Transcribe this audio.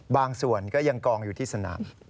บางส่วนก็ยังกองอยู่ที่สนาม